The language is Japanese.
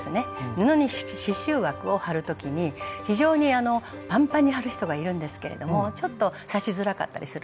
布に刺しゅう枠を張る時に非常にパンパンに張る人がいるんですけれどもちょっと刺しづらかったりするんです。